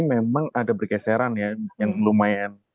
memang ada berkeseran yang lumayan